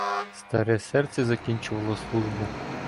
Старе серце закінчувало службу.